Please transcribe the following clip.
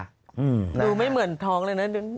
ดูไม่เหมือนท้องเลยนะ